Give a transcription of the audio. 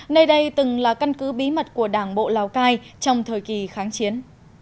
nơi đây từng là căn cứ bí mật của đảng bộ lào cai trong thời kỳ kháng chiến